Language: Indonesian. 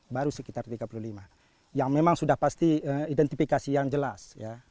baru sekitar tiga puluh lima yang memang sudah pasti identifikasi yang jelas ya